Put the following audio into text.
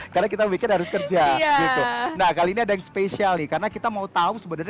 karena kita bikin harus kerja nah kali ini ada yang spesial nih karena kita mau tahu sebenarnya